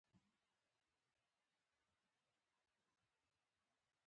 چې د خلکو اولادونه په چړيانو سوري سوري کړي.